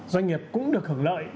doanh nghiệp cũng được hưởng lợi